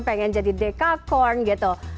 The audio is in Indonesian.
pengen jadi deca corn gitu